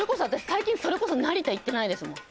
最近それこそ成田行ってないですもん